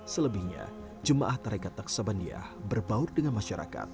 selebihnya jemaah tarekat naksabandia berbaur dengan masyarakat